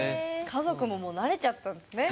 家族ももう慣れちゃったんですね。